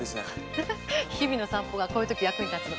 ハハハ日々の散歩がこういう時役に立つの。ね。